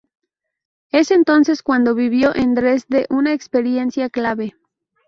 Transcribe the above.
Es entonces cuando vivió en Dresde una experiencia clave.